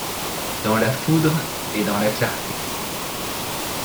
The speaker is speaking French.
Dans la foudre et dans la clarté